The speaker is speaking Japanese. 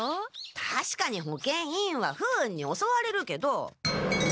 たしかに保健委員は不運におそわれるけど。